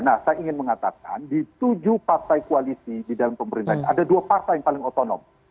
nah saya ingin mengatakan di tujuh partai koalisi di dalam pemerintahan ada dua partai yang paling otonom